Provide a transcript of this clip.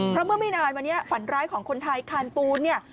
เพราะเมื่อไม่นานวันนี้ฝันร้ายของคนไทยคานปูนเนี่ย